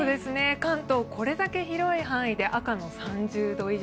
関東、これだけ広い範囲で赤の３０度以上。